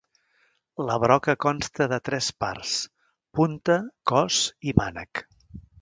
La broca consta de tres parts: punta, cos i mànec.